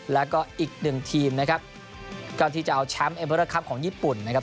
แล้วก็อีกหนึ่งทีมนะครับก็ที่จะเอาแชมป์เอมเพอร์ระคับของญี่ปุ่นนะครับ